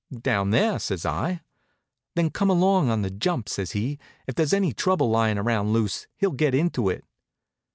"Down there," says I. "Then come along on the jump," says he. "If there's any trouble lying around loose he'll get into it."